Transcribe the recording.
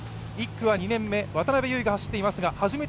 １区は２年目渡邉唯が走っています